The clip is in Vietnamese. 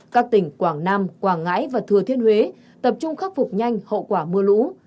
các tỉnh quảng nam quảng ngãi và thừa thiên huế tập trung khắc phục nhanh hậu quả mưa lũ